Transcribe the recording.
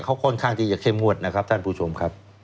เขาค่อนข้างที่จะเข้มงวดนะครับท่านผู้ชมครับ